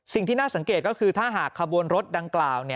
สิ่งที่น่าสังเกตก็คือถ้าหากขบวนรถดังกล่าว